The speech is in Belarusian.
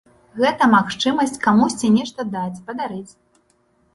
Гэта магчымасць камусьці нешта даць, падарыць.